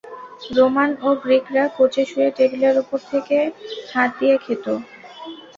Roman ও গ্রীকরা কোচে শুয়ে টেবিলের ওপর থেকে হাত দিয়ে খেত।